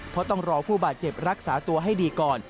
เพราะต้องรอผู้บาดเจ็บรักษาตัวให้ดีก่อน